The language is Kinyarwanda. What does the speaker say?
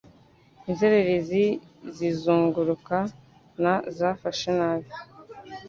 Inzererezi zizunguruka, 'na' zafashe nabi